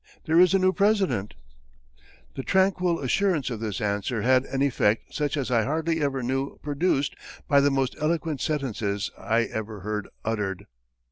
'There is a new president.' "The tranquil assurance of this answer had an effect such as I hardly ever knew produced by the most eloquent sentences I ever heard uttered."